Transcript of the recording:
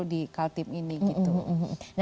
baru di kaltim ini gitu